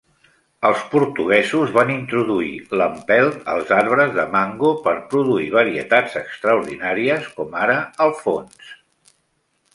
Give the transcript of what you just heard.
Els portuguesos van introduir l'empelt als arbres de mango per produir varietats extraordinàries com ara "Alphonso".